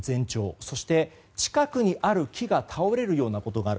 そして近くにある木が倒れるような音がする。